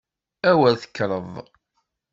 A wer tekkreḍ!